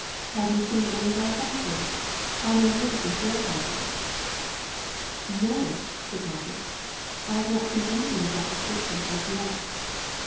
Have you seen any of our factories? our magnificent warehouses?" "No!" said Margaret. "I have not seen anything of that description as yet."